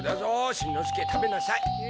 しんのすけ食べなさい。